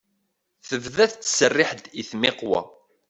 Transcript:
Tebda tettserriḥ-d i tmiqwa.